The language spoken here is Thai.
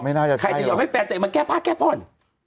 ใครจะอยากให้แฟนแต่มันแก้พ้าแก้พ่อน